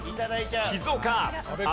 静岡。